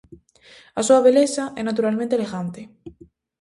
A súa beleza é naturalmente elegante.